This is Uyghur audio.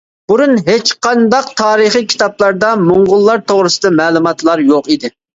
بۇرۇن ھېچقانداق تارىخىي كىتابلاردا موڭغۇللار توغرىسىدا مەلۇماتلار يوق ئىدى.